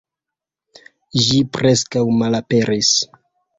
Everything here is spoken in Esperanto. Ĝi preskaŭ malaperis.